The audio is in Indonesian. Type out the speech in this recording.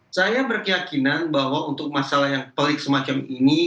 saya berkeyakinan bahwa untuk masalah yang pelik semacam ini